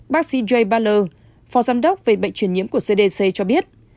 bác sĩ jay baller phó giám đốc về bệnh truyền nhiễm của cdc cho biết